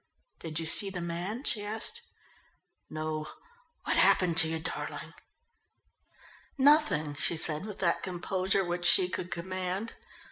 "Did you see the man?" she asked. "No. What happened to you, darling?" "Nothing," she said with that composure which she could command.